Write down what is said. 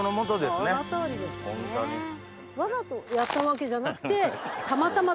ホントに。わざとやったわけじゃなくて。